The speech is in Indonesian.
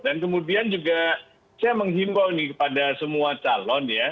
dan kemudian juga saya menghimpau ini kepada semua calon ya